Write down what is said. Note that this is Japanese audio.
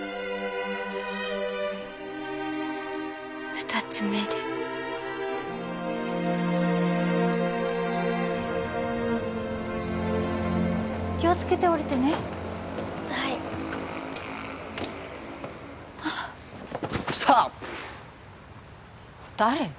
２つ目で気をつけて下りてねはいストップ誰？